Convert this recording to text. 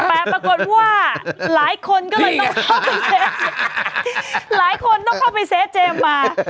แต่ปรากฏว่าหลายคนก็เลยต้องเข้าไปเซฟหลายคนต้องเข้าไปเซฟเจมส์มา